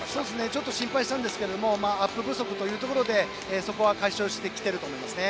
ちょっと失敗したんですがアップ不足ということでそこは解消してきていると思います。